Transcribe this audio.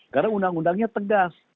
karena undang undangnya tegas